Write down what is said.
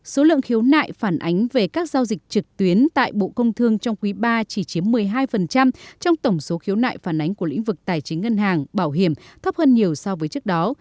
số lượng khiếu nại phản ánh về các giao dịch trực tuyến tại bộ công thương trong quý ba chỉ chiếm một mươi hai trong tổng số khiếu nại phản ánh của lĩnh vực tài chính ngân hàng bảo hiểm thấp hơn nhiều so với trước đó